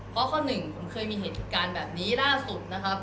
เพราะข้อหนึ่งผมเคยมีเหตุการณ์แบบนี้ล่าสุดนะครับ